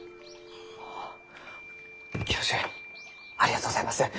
あ教授ありがとうございます。